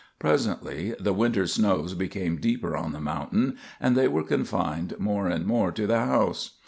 Presently the winter snows became deeper on the mountain, and they were confined more and more to the house.